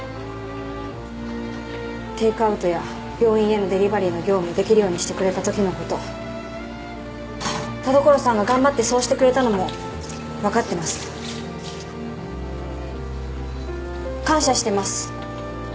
テークアウトや病院へのデリバリーの業務できるようにしてくれたときのこと田所さんが頑張ってそうしてくれたのもわかってます感謝してます